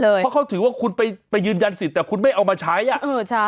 เพราะเขาถือว่าคุณไปไปยืนยันสิทธิ์แต่คุณไม่เอามาใช้อ่ะเออใช่